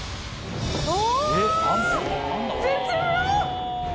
お！